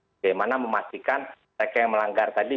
bagaimana memastikan mereka yang melanggar tadi